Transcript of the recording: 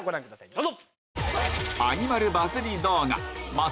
どうぞ。